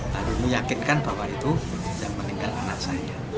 lalu meyakinkan bahwa itu yang meninggal anak saya